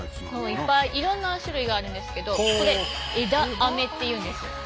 いっぱいいろんな種類があるんですけどこれ「枝アメ」っていうんですよ。